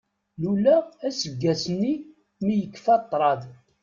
Luleɣ aseggas-nni mi yekfa ṭṭraḍ.